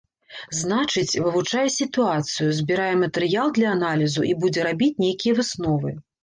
Значыць, вывучае сітуацыю, збірае матэрыял для аналізу і будзе рабіць нейкія высновы.